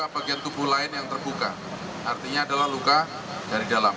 pendarahan yang terbuka artinya adalah luka dari dalam